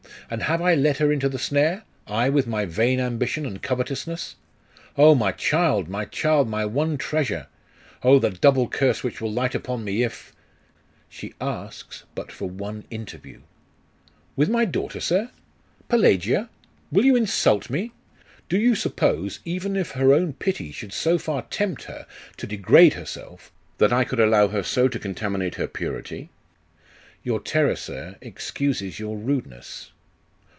And have I led her into the snare? I, with my vain ambition and covetousness! Oh, my child! my child! my one treasure! Oh, the double curse which will light upon me, if ' 'She asks for but one interview.' 'With my daughter, sir? Pelagia! Will you insult me? Do you suppose, even if her own pity should so far tempt her to degrade herself, that I could allow her so to contaminate her purity?' 'Your terror, sir, excuses your rudeness.